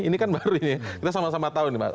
ini kan baru ya kita sama sama tahu ini pak